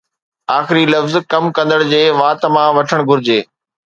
آخري لفظ ڪم ڪندڙ جي وات مان وٺڻ گهرجي